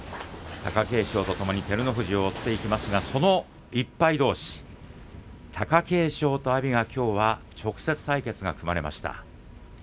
貴景勝とともに照ノ富士を追っていますが、その１敗どうし貴景勝と阿炎がきょう直接対決が組まれました。